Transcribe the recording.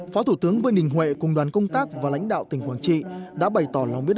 phó thủ tướng vương đình huệ cùng đoàn công tác và lãnh đạo tỉnh quảng trị đã bày tỏ lòng biết ơn